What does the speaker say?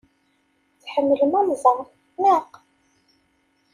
Tḥemmlem anẓar, naɣ?